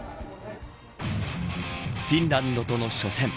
フィンランドとの初戦。